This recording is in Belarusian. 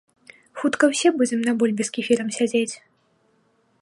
Хутка ўсе будзем на бульбе з кефірам сядзець.